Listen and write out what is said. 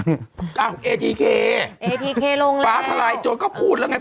เนี้ยอ้าวเอทีเคเอทีเคลงแล้วป๊าทารายจนก็พูดแล้วไง